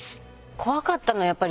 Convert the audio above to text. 怖かったのはやっぱり。